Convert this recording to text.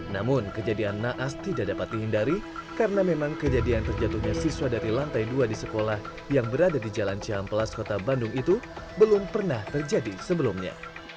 namun kejadian naas tidak dapat dihindari karena memang kejadian terjatuhnya siswa dari lantai dua di sekolah yang berada di jalan cihamplas kota bandung itu belum pernah terjadi sebelumnya